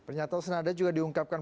pernyataan senada juga diungkapkan